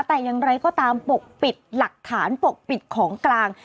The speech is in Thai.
แต่อย่างไรก็ตามปกปิดหลักฐานปกปิดของกลาง